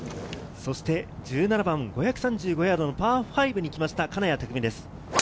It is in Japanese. そして１７番、５３５ヤードのパー５にきました、金谷拓実です。